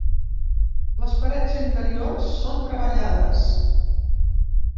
Les parets interiors són treballades.